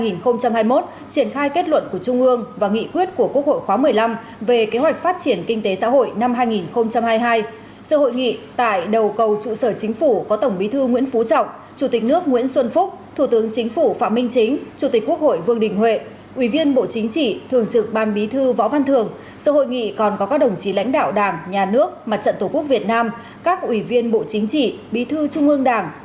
xin chào đồng chí lãnh đạo đảng nhà nước mặt trận tổ quốc việt nam các ủy viên bộ chính trị bí thư trung ương đảng ủy viên trung ương đảng lãnh đạo các ban bộ ngành tổ chức chính trị xã hội ở trung ương